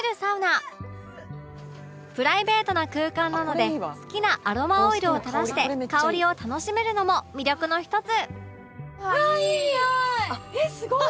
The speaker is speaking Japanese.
プライベートな空間なので好きなアロマオイルを垂らして香りを楽しめるのも魅力の１つ